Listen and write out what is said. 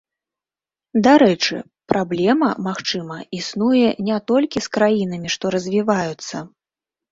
Дарэчы, праблема, магчыма, існуе не толькі з краінамі, што развіваюцца.